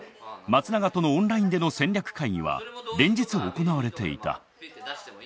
松永とのオンラインでの戦略会議は連日行われていた。